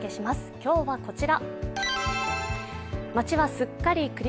今日はこちら。